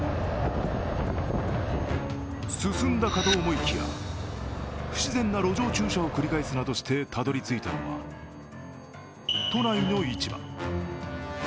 進んだかと思いきや不自然な路上駐車を繰り返すなどしてたどりついたのは、都内の市場。